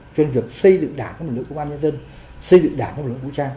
cho nên việc xây dựng đảng của một lực lượng công an nhân dân xây dựng đảng của một lực lượng vũ trang